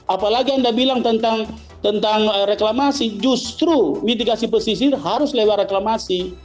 apalagi anda bilang tentang reklamasi justru mitigasi pesisir harus lewat reklamasi